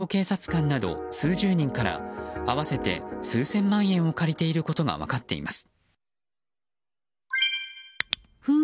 更に、別の同僚警察官など数十人から合わせて数千万円を借りていることが分かっています。